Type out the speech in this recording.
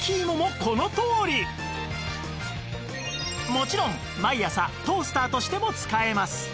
もちろん毎朝トースターとしても使えます